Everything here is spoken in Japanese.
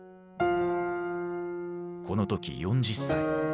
この時４０歳。